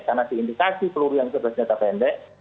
karena diindikasi peluru yang sudah senjata pendek